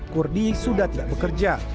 kurdi sudah tidak bekerja